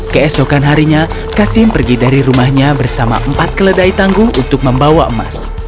keesokan harinya kasim pergi dari rumahnya bersama empat keledai tanggung untuk membawa emas